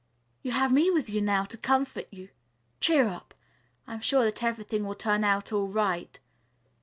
"You have me with you now to comfort you. Cheer up. I am sure that everything will turn out all right.